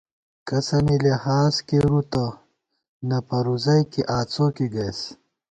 کسَنی لحاظ کېرُو تہ نہ پروزَئیکے آڅوکے گَئیس